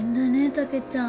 たけちゃん。